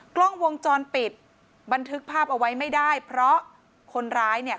กล้องวงจรปิดบันทึกภาพเอาไว้ไม่ได้เพราะคนร้ายเนี่ย